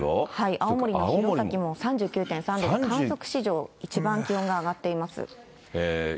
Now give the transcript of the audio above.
青森の弘前も３９．３度と、観測史上一番気温が上がっています。